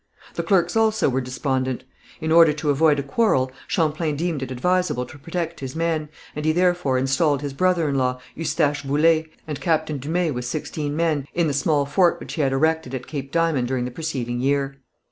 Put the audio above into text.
The clerks also were despondent. In order to avoid a quarrel, Champlain deemed it advisable to protect his men, and he therefore installed his brother in law, Eustache Boullé, and Captain Dumay with sixteen men, in the small fort which he had erected at Cape Diamond during the preceding year.